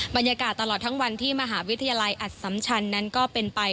บรรยากาศตลอดทั้งวันที่มหาวิทยาลัยอัตสัมชันนั้นก็เป็นไป